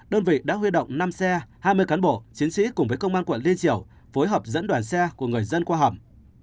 đơn vị đã huy động năm xe hai mươi cán bộ chiến sĩ cùng với công an quận liên triều phối hợp dẫn đoàn xe của người dân qua hầm